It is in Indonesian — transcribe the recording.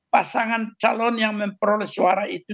pasangan calon yang memperoleh suara itu